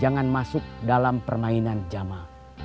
jangan masuk dalam permainan jamaah